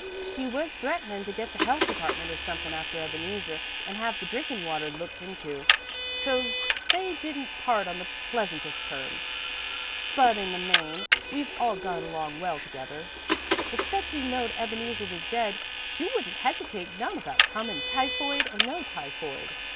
She was threatenin' to get the health department or somethin' after Ebeneezer an' have the drinkin' water looked into, so's they didn't part on the pleasantest terms, but in the main we've all got along well together. "If Betsey knowed Ebeneezer was dead, she wouldn't hesitate none about comin', typhoid or no typhoid.